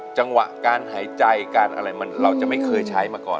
จังหวะการหายใจการอะไรเราจะไม่เคยใช้มาก่อน